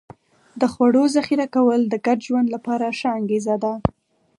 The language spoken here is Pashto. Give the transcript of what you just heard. د خوړو ذخیره کول د ګډ ژوند لپاره ښه انګېزه ده.